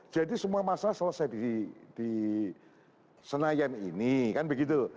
jadi semua masalah selesai di senayan ini kan begitu